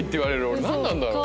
俺なんなんだろう？